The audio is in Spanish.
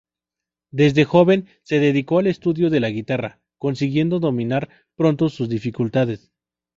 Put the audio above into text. Desde joven se dedicó al estudio de la guitarra, consiguiendo dominar pronto sus dificultades.